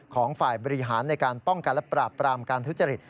ของฝ่ายบริหารในการป้องกันและปราบปรามการทุจริต